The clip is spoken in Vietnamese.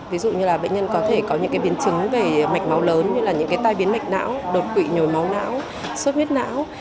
ví dụ như là bệnh nhân có thể có những biến chứng về mạch máu lớn như là những tai biến mạch não đột quỵ nhồi máu não sốt huyết não